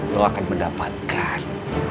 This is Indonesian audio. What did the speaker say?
lo akan mendapatkan